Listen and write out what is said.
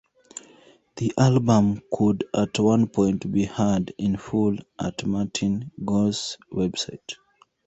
The album could at one point be heard in full at Martin Gore's website.